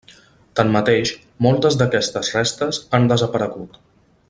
Tanmateix, moltes d’aquestes restes han desaparegut.